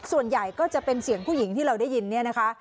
ส่วนใหญ่ก็จะเป็นเสียงผู้หญิงที่เราได้ยินเนี่ยนะคะ